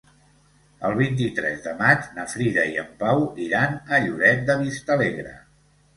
El vint-i-tres de maig na Frida i en Pau iran a Lloret de Vistalegre.